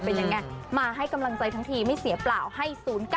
เป็นยังไงมาให้กำลังใจทั้งทีไม่เสียเปล่าให้๐๙